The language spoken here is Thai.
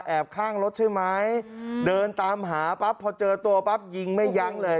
แอบข้างรถใช่ไหมเดินตามหาพอเจอตัวยิงไม่ยั้งเลย